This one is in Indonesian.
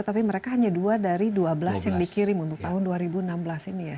tapi mereka hanya dua dari dua belas yang dikirim untuk tahun dua ribu enam belas ini ya